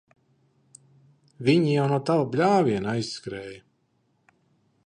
Viņi jau no tava bļāviena aizskrēja.